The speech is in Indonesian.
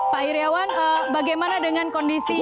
pak iryawan bagaimana dengan kondisi